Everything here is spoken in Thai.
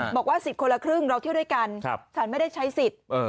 บอกว่า๑๐คนละครึ่งเราเที่ยวด้วยกันฉันไม่ได้ใช้สิทธิ์